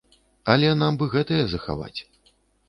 Але нам бы гэтыя захаваць.